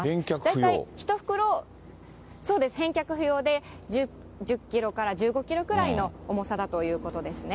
大体１袋、そうです、返却不要で１０キロから１５キロくらいの重さだということですね。